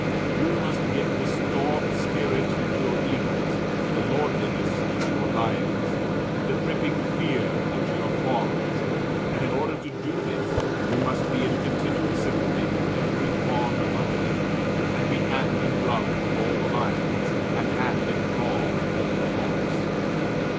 You must get the storm spirit into your eagles, and the lordliness into your lions, and the tripping fear into your fawns; and in order to do this, you must be in continual sympathy with every fawn of them; and be hand in glove with all the lions, and hand in claw with all the hawks.